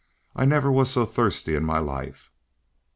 "I never was so thirsty in my life."